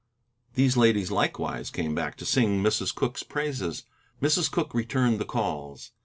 These ladies likewise came back to sing Mrs. Cooke's praises. Mrs. Cooke returned the calls.